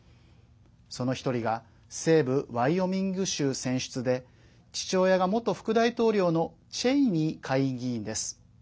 その１人が西部ワイオミング州選出で父親が元副大統領のチェイニー下院議員です。